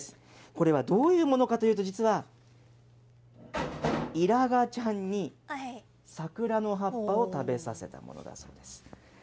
これはどういうものかというと、実はイラガちゃんに、サクラの葉っぱを食べさせたものだそうです。